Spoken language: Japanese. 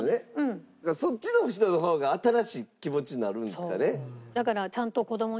そっちの人の方が新しい気持ちになるんですかね。